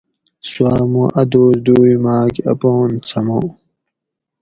سواۤ مو اۤ دوس دوئ ماۤک اپان سما